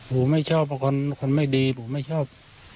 ผมไม่ชอบคนไม่ดีผมไม่ชอบ